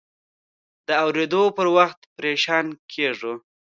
د اورېدو پر وخت پریشان کېږو.